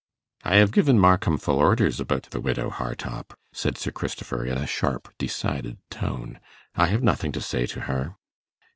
'I have given Markham full orders about the widow Hartopp,' said Sir Christopher, in a sharp decided tone. 'I have nothing to say to her.